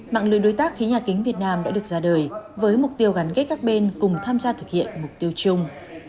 mạng lưới đối tác khí nhà kính việt nam đã được ra đời với mục tiêu gắn kết các bên cùng tham gia thực hiện mục tiêu chung